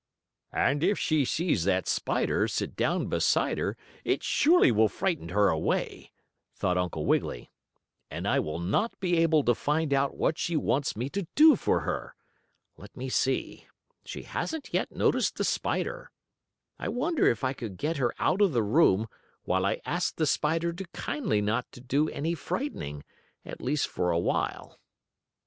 "And if she sees that spider, sit down beside her, it surely will frighten her away," thought Uncle Wiggily, "and I will not be able to find out what she wants me to do for her. Let me see, she hasn't yet noticed the spider. I wonder if I could get her out of the room while I asked the spider to kindly not to do any frightening, at least for a while?"